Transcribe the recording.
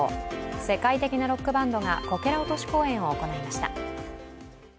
世界的なロックバンドがこけら落とし公演を行いました。